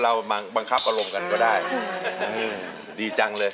แล้วเมื่อตอนหวังได้